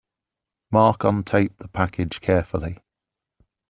Mark untaped the package carefully.